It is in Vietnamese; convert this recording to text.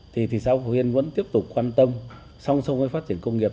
thì thị xã phổ yên vẫn tiếp tục quan tâm song song với phát triển công nghiệp